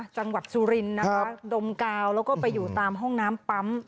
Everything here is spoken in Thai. จังหวัดสุรินทร์นะคะดมกาวแล้วก็ไปอยู่ตามห้องน้ำปั๊ม